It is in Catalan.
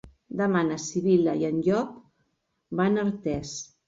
Demà na Sibil·la i en Llop van a Artés.